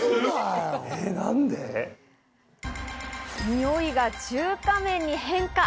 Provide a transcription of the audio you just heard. においが中華麺に変化。